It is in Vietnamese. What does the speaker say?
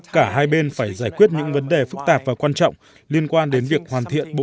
cả hai bên phải giải quyết những vấn đề phức tạp và quan trọng liên quan đến việc hoàn thiện